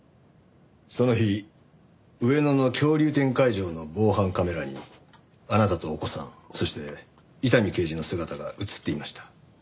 その日上野の恐竜展会場の防犯カメラにあなたとお子さんそして伊丹刑事の姿が映っていました。